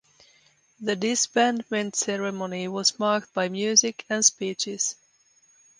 The disbandment ceremony was marked by music and speeches.